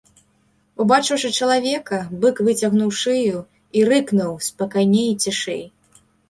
Убачыўшы чалавека, бык выцягнуў шыю і рыкнуў спакайней і цішэй.